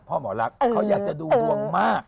พ่อหมอรักเขาอยากจะดูดวงมาก